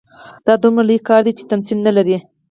دا دومره لوی کار دی چې تمثیل نه لري.